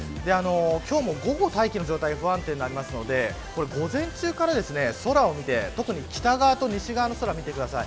今日も午後に大気の状態が不安定になるので午前中から、空を見て特に北側と西側の空を見てください。